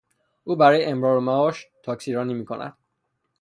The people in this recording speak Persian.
او برای امرار معاش تاکسیرانی میکند.